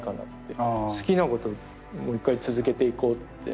好きなことをもう一回続けていこうって。